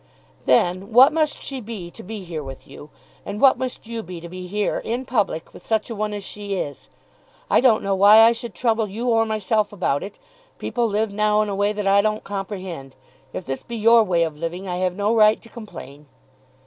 "Then what must she be, to be here with you? And what must you be, to be here, in public, with such a one as she is? I don't know why I should trouble you or myself about it. People live now in a way that I don't comprehend. If this be your way of living, I have no right to complain."